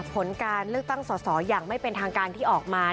ผลการเลือกตั้งสอสออย่างไม่เป็นทางการที่ออกมา